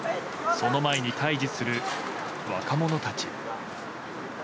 その前に対峙する若者たち。